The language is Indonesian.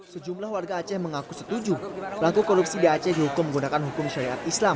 sejumlah warga aceh mengaku setuju pelaku korupsi di aceh dihukum menggunakan hukum syariat islam